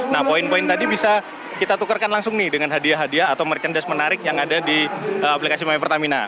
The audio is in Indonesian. nah poin poin tadi bisa kita tukarkan langsung nih dengan hadiah hadiah atau merchandise menarik yang ada di aplikasi my pertamina